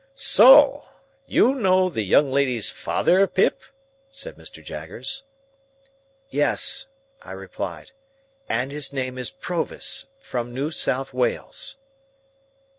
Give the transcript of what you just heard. "So! You know the young lady's father, Pip?" said Mr. Jaggers. "Yes," I replied, "and his name is Provis—from New South Wales."